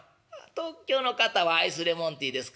「東京の方はアイスレモンティーですか。